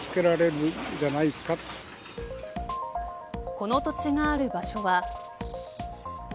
この土地がある場所は。